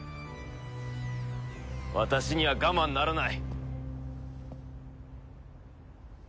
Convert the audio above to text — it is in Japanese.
私には我慢ならない。